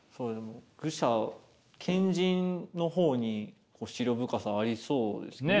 愚者賢人の方に思慮深さはありそうですね。